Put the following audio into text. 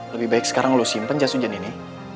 lebih baik sekarang lu simpen jas ujan ini